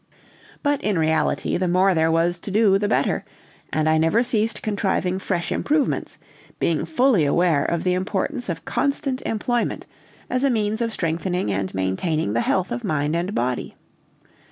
But in reality, the more there was to do the better; and I never ceased contriving fresh improvements, being fully aware of the importance of constant employment as a means of strengthening and maintaining the health of mind and body.